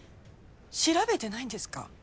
調べてないんですか？